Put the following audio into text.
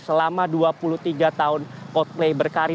selama dua puluh tiga tahun coldplay berkarir